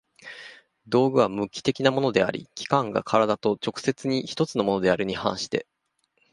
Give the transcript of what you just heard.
道具は無機的なものであり、器宮が身体と直接に一つのものであるに反して